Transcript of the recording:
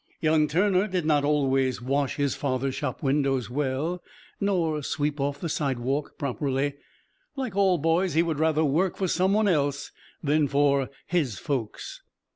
Young Turner did not always wash his father's shop windows well, nor sweep off the sidewalk properly. Like all boys he would rather work for some one else than for "his folks."